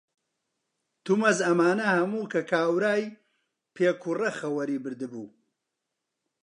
تومەز ئەمانە هەموو کە کاورای پێکوڕە خەوەری بردبوو،